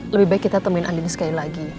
lebih baik kita temuin andini sekali lagi